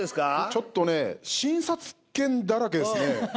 ちょっとね診察券だらけですね。